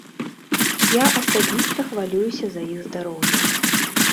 Я асабіста хвалююся за іх здароўе.